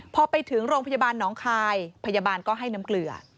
พอไปถึงโรงพยาบาลน้องคายพยาบาลก็ให้น้ำเกลือ